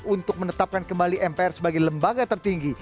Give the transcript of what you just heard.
untuk menetapkan kembali mpr sebagai lembaga tertinggi